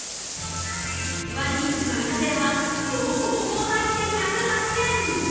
一番人気のいか天は５本も入って１０８円。